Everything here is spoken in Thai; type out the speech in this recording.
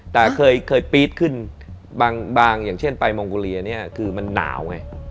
แต่เคยปี๊ดขึ้นบางอย่างเช่นไปมองโกเลียเนี่ยคือมันหนาวไง